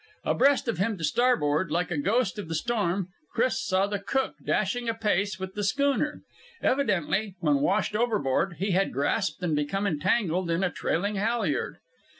Abreast of him, to starboard, like a ghost of the storm, Chris saw the cook dashing apace with the schooner. Evidently, when washed overboard, he had grasped and become entangled in a trailing halyard.